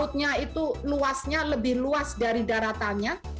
lautnya itu luasnya lebih luas dari daratannya